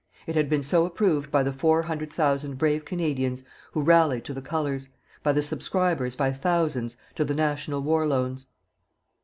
It had been so approved by the four hundred thousand brave Canadians who rallied to the Colours; by the subscribers, by thousands, to the national war loans.